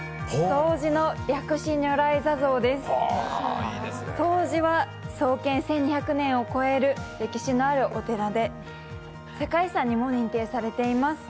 東寺は創建１２００年を超える歴史のあるお寺で世界遺産にも認定されています。